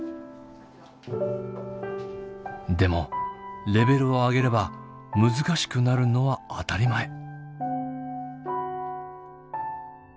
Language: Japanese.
でもレベルを上げれば難しくなるのは当たり前。